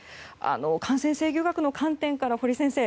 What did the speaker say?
感染制御学の観点から堀先生